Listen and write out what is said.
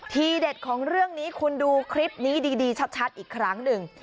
ทีเด็ดของเรื่องนี้คุณดูคลิปนี้ดีชัดอีกครั้งหนึ่ง